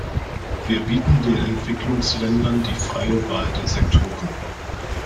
Wir bieten den Entwicklungsländern die freie Wahl der Sektoren.